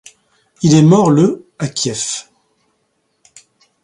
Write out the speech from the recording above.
Il est mort le à Kiev.